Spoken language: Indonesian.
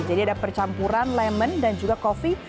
jadi ada percampuran lemon dan juga coffee